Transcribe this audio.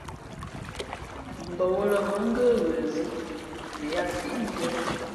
Mbαwᾱlᾱ mα̌ ngə́ ghə zǐ mα yāā síʼ mbīē bᾱ.